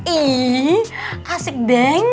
ih asik banget